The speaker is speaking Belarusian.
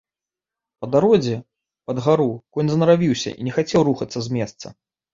Па дарозе, пад гару, конь занаравіўся і не хацеў рухацца з месца.